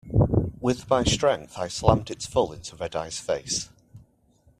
With my strength I slammed it full into Red-Eye's face.